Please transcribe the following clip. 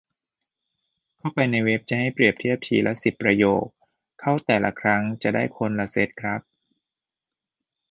เข้าไปในเว็บจะให้เปรียบเทียบทีละสิบประโยค เข้าแต่ละครั้งจะได้คนละเซ็ตครับ